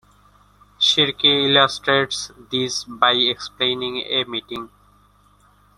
Shirky illustrates this by explaining a meeting.